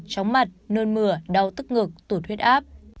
chóng mặt nơn mửa đau tức ngực tủ huyết áp